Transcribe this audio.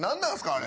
あれ。